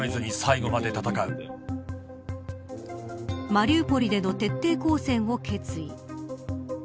マリウポリでの徹底抗戦を決意。